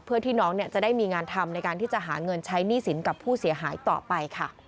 เพื่อที่น้องจะได้มีงานทำในการที่จะหาเงินใช้หนี้สินกับผู้เสียหายต่อไปค่ะ